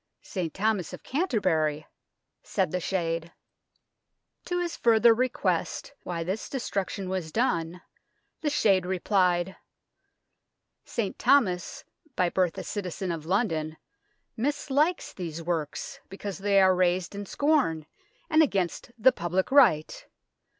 "St. Thomas of Canterbury," said the shade. 5a THE TOWER OF LONDON To his further request why this destruction was done, the shade replied : "St. Thomas, by birth a citizen of London, mislikes these works, because they are raised in scorn, and against the public right.